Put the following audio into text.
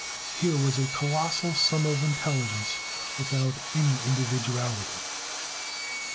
Here was a colossal sum of intelligence, without any individuality.